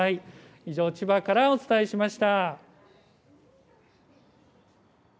以上、千葉からお伝えしました。